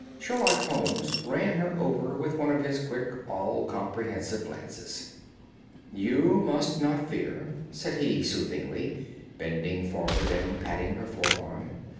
Sherlock Holmes ran her over with one of his quick, all comprehensive glances. "You must not fear," said he soothingly, bending forward and patting her forearm.